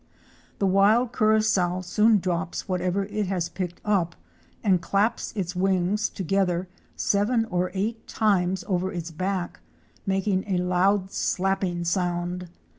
(Fig. 137.) The wild Curassow soon drops whatever it has picked up and claps its wings together seven or eight times over its back, making a loud slapping sound.